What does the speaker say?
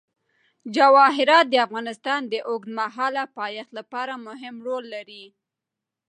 جواهرات د افغانستان د اوږدمهاله پایښت لپاره مهم رول لري.